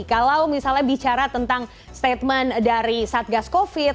kalau misalnya bicara tentang statement dari satgas covid